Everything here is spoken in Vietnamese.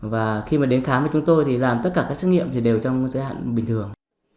và khi mà đến khám với chúng tôi thì làm tất cả các xét nghiệm thì đều trong giới hạn bình thường